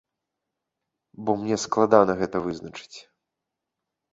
Бо мне складана гэта вызначыць.